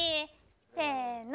せの。